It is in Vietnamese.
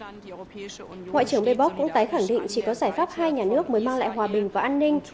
ngoại trưởng bebock cũng tái khẳng định chỉ có giải pháp hai nhà nước mới mang lại hòa bình và an ninh